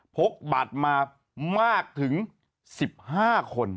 กบัตรมามากถึง๑๕คน